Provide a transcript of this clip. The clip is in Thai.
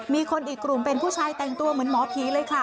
มีคนอีกกลุ่มเป็นผู้ชายแต่งตัวเหมือนหมอผีเลยค่ะ